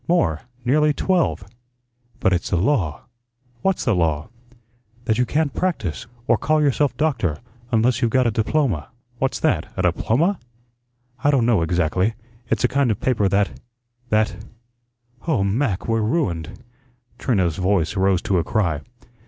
More nearly twelve." "But it's the law." "What's the law?" "That you can't practise, or call yourself doctor, unless you've got a diploma." "What's that a diploma?" "I don't know exactly. It's a kind of paper that that oh, Mac, we're ruined." Trina's voice rose to a cry.